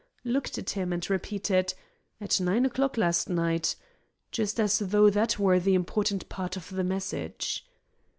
looked at him, and repeated, 'At nine o'clock last night!' just as though that were the important part of the message."